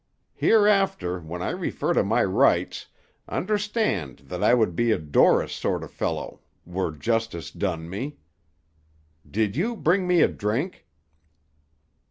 Hereafter, when I refer to my rights, understand that I would be a Dorris sort of a fellow were justice done me. Did you bring me a drink?"